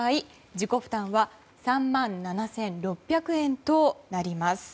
自己負担は３万７６００円となります。